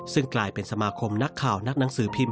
ซึ่งกลายเป็นสมาคมนักข่าวนักหนังสือพิม